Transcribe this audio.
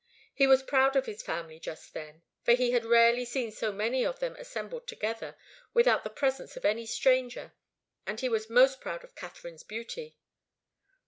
He was proud of his family just then, for he had rarely seen so many of them assembled together without the presence of any stranger, and he was most proud of Katharine's beauty.